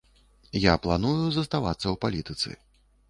Я планую заставацца ў палітыцы.